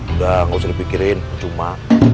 udah gak usah dipikirin cuma